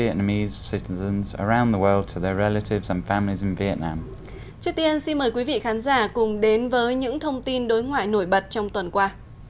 trước tiên xin mời quý vị khán giả cùng đến với những thông tin đối ngoại nổi bật trong tuần qua